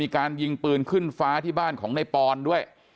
การยิงปืนขึ้นฟ้าที่บ้านของในปอนด้วย